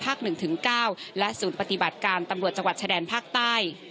ภาคหนึ่งถึงเก้าและศูนย์ปฏิบัติการตำรวจจังหวัดชะแดนภาคใต้